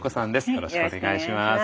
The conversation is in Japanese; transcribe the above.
よろしくお願いします。